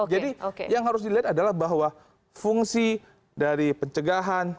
jadi yang harus dilihat adalah bahwa fungsi dari pencegahan